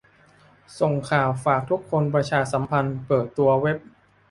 ส่งข่าวฝากทุกคนประชาสัมพันธ์เปิดตัวเว็บ